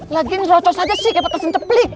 lagi rocos aja sih kaya pake senceplik